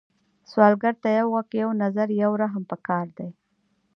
سوالګر ته یو غږ، یو نظر، یو رحم پکار دی